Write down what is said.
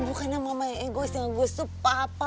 bukannya mama yang egois egois tuh papa